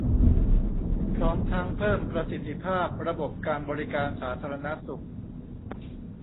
พร้อมทั้งเพิ่มประสิทธิภาพระบบการบริการสาธารณสุข